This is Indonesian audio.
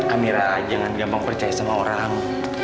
amira jangan gampang percaya sama orang